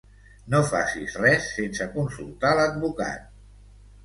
No facis res sense consultar l'advocat.